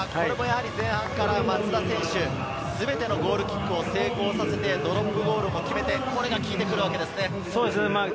前半から松田選手、全てのゴールキックを成功させて、ドロップゴールも決めて、これが効いてくるわけですね。